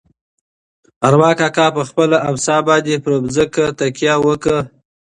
ارمان کاکا په خپله امسا باندې پر ځمکه تکیه وکړه.